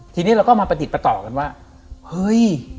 ทีนี้เราก็มาประติดประต่อกันว่าเฮ้ย